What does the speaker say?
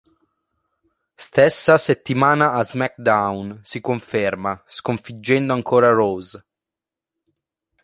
Stessa settimana a SmackDown si conferma, sconfiggendo ancora Rose.